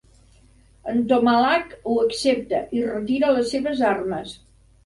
En Tomalak ho accepta i retira les seves armes.